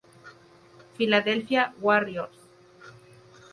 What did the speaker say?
Philadelphia Warriors